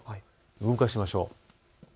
動かしてみましょう。